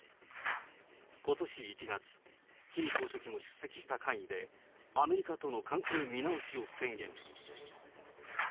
ことし１月、キム総書記も出席した会議で、アメリカとの関係見直しを宣言。